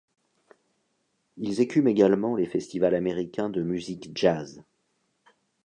Ils écument également les festivals américains de musique jazz.